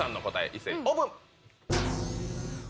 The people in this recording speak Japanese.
一斉にオープン！